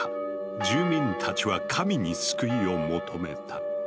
住民たちは神に救いを求めた。